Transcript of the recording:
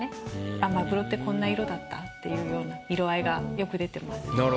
あっまぐろってこんな色だったっていうような色合いがよく出てます。